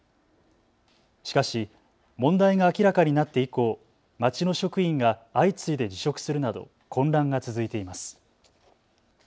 しかし問題が明らかになって以降、町の職員が相次いで辞職するなど混乱が続いています。